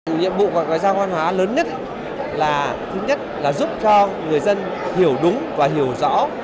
nhiệm vụ của ngoại giao văn hóa lớn nhất là giúp cho người dân hiểu đúng và hiểu rõ